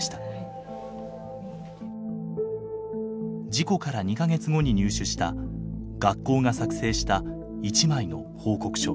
事故から２か月後に入手した学校が作成した一枚の報告書。